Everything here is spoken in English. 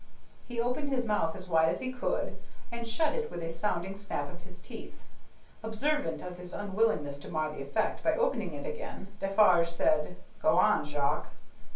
He opened his mouth as wide as he could, and shut it with a sounding snap of his teeth. Observant of his unwillingness to mar the effect by opening it again, Defarge said, "Go on, Jacques."